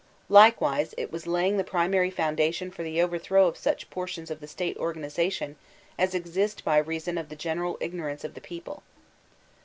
Likewise it was laying the primaiy f oun dation for the overthrow of such portions of the State organitation as exist by reason of the general ignorance of the people.